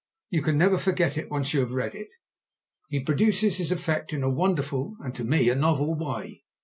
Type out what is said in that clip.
You can never forget it when once you have read it. He produces his effect in a wonderful, and to me a novel, way.